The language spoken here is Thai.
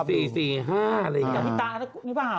แบบพี่ตั๋านี่หรือเปล่า